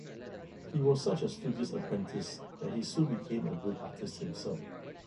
He was such a studious apprentice that he soon became a good artist himself.